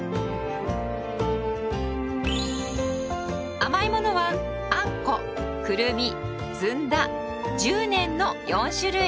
甘いものはあんこくるみずんだじゅうねんの４種類。